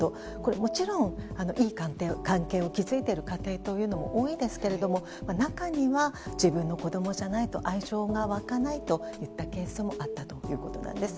もちろん、いい関係を築いている家庭も多いんですが中には自分の子供じゃないと愛情がわかないといったケースもあったということなんです。